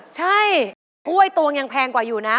ใช่กล้วยตวงยังแพงกว่าอยู่นะ